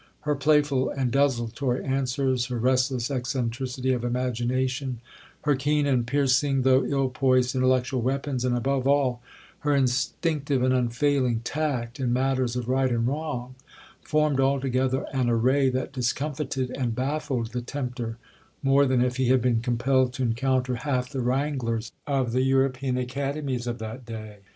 Her playful and desultory answers,—her restless eccentricity of imagination,—her keen and piercing, though ill poised intellectual weapons,—and, above all, her instinctive and unfailing tact in matters of right and wrong, formed altogether an array that discomfited and baffled the tempter more than if he had been compelled to encounter half the wranglers of the European academies of that day.